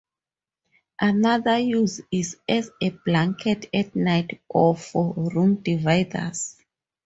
Another use is as a blanket at night or for room dividers.